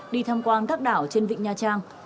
đi tham quan các đảo trên vịnh nha trang